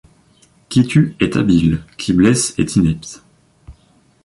Qui tue est habile, qui blesse est inepte.